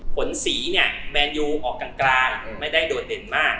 ผลสีเนี่ยแมนยูออกกลางไม่ได้โดดเด่นมาก